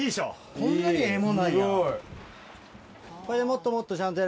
こんなにええもんなんや。